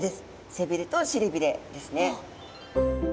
背びれとしりびれですね。